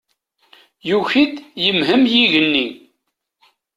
Yuki-d yemhem yigenni.